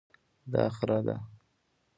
دا خره ده